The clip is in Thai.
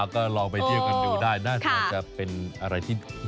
ก็ลองไปเที่ยวกันดูได้น่าจะเป็นอะไรที่